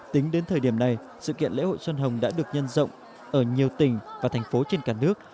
tính đến thời điểm này sự kiện lễ hội xuân hồng đã được nhân rộng ở nhiều tỉnh và thành phố trên cả nước